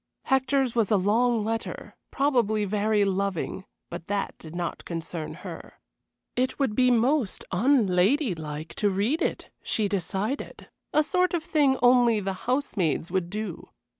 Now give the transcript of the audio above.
Hector's was a long letter; probably very loving, but that did not concern her. It would be most unladylike to read it, she decided a sort of thing only the housemaids would do.